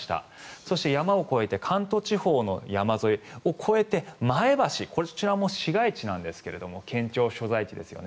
そして、山を越えて関東地方の山沿いを越えて前橋、こちらも市街地なんですが県庁所在地ですよね。